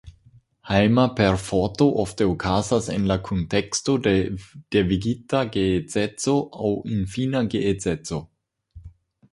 Hejma perforto ofte okazas en la kunteksto de devigita geedzeco aŭ infana geedzeco.